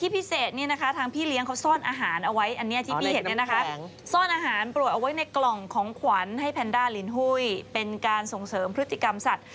ที่พิเศษทางพี่เลี้ยงเขาซ่อนอาหารวังไว้ในกล่องของขวัญให้แพนดาลิ้นหุ้ยเป็นการส่งเสริมพฤติกรรมสัตว์